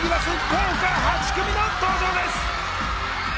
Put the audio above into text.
豪華８組の登場です！